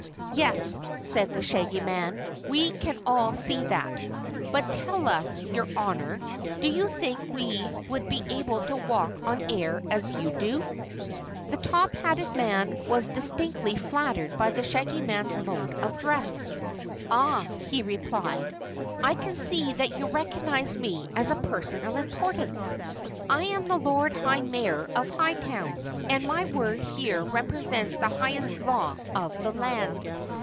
"Yes," said the Shaggy Man, "we can see all that. But tell us, your Honor, do you think we would be able to walk on air as you do?" The top hatted man was distinctly flattered by the Shaggy Man's mode of address. "Ah," he replied, "I can see that you recognize me as a person of importance. I am the Lord High Mayor of Hightown and my word here represents the highest law of the land.